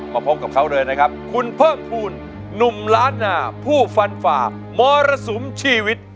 พบกับเขาเลยนะครับคุณเพิ่มภูมิหนุ่มล้านนาผู้ฟันฝ่ามรสุมชีวิต